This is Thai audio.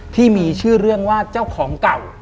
ที่มีชื่อเรื่องว่าเจ้าของเก่า